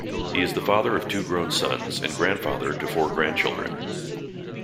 He is the father of two grown sons and grandfather to four grandchildren.